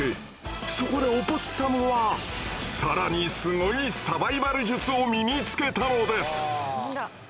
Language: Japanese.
そこでオポッサムは更にすごいサバイバル術を身につけたのです！